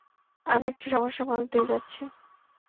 আমি একটু সমস্যার মধ্যে দিয়ে যাচ্ছি।